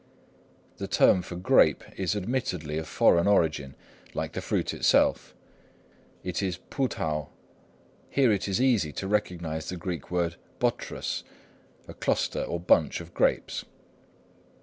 The term for grape is admittedly of foreign origin, like the fruit itself. It is 葡萄 pu t'ou. Here it is easy to recognise the Greek word Βότρυς, a cluster, or bunch, of grapes.